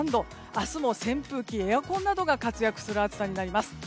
明日も扇風機、エアコンなどが活躍する暑さになります。